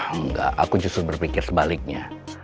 enggak aku justru berpikir sebaliknya